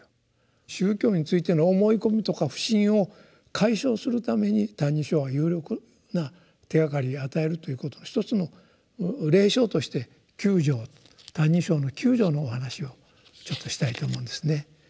宗教についての思い込みとか不信を解消するために「歎異抄」は有力な手がかりを与えるということの一つの例証として九条「歎異抄」の九条のお話をちょっとしたいと思うんですね。